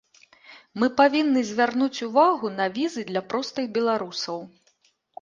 Мы павінны звярнуць увагу на візы для простых беларусаў.